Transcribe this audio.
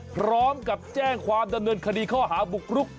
พร้อมกับแจ้งความดำเนินคดีข้อหาบุกรุก